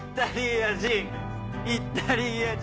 「イタリア人」